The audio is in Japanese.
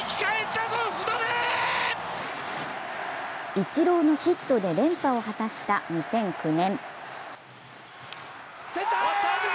イチローのヒットで連覇を果たした２００９年。